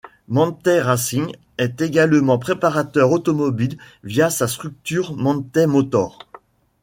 Manthey Racing est également préparateur automobile via sa structure Manthey Motors.